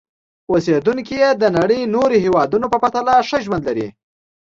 اوسېدونکي یې د نړۍ نورو هېوادونو په پرتله ښه ژوند لري.